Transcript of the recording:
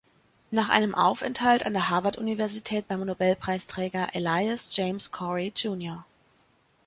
Nach einem Aufenthalt an der Harvard-Universität beim Nobelpreisträger Elias James Corey Jr.